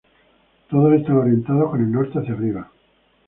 Todos están orientados con el norte hacia arriba.